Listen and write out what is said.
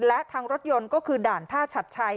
และทางรถยนต์ก็คือด่านท่าชัดชัย